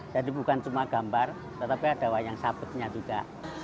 jadi bukan cuma gambar tetapi ada wayang sabetnya juga